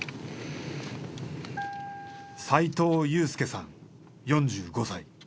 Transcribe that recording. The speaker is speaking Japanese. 斉藤祐介さん４５歳。